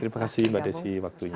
terima kasih mbak desi waktunya